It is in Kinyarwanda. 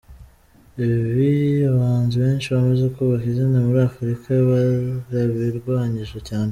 Ibi, abahanzi benshi bamaze kubaka izina muri Afurika barabirwanyije cyane.